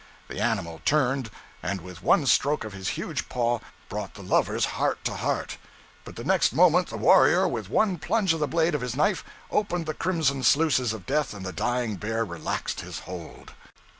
The animal turned, and with one stroke of his huge paw brought the lovers heart to heart, but the next moment the warrior, with one plunge of the blade of his knife, opened the crimson sluices of death, and the dying bear relaxed his hold.